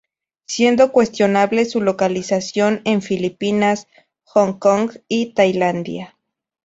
Siendo cuestionable su localización en Filipinas, Hong Kong y Tailandia.